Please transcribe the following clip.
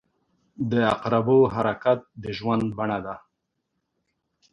• د عقربو حرکت د ژوند بڼه ده.